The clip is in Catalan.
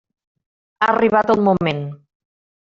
Ha arribat el moment.